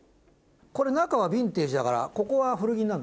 これ中はヴィンテージだからここは古着になる。